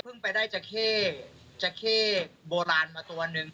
เพิ่งไปได้กระเก้โบราณมาตัวนึง